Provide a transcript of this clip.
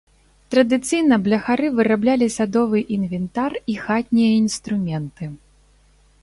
Традыцыйна бляхары выраблялі садовы інвентар і хатнія інструменты.